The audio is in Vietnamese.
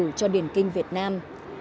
lịch sử cho điền kinh việt nam